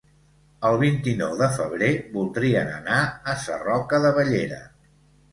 El vint-i-nou de febrer voldrien anar a Sarroca de Bellera.